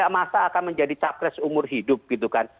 masa akan menjadi capres umur hidup gitu kan